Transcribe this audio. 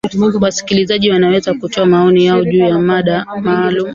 wasikilizaji wanaweza kutoa maoni yao juu ya mada maalum